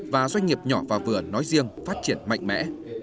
và doanh nghiệp nhỏ và vừa nói riêng phát triển mạnh mẽ